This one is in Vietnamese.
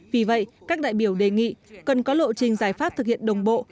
vì vậy các đại biểu đề nghị cần có lộ trình giải pháp thực hiện đồng bộ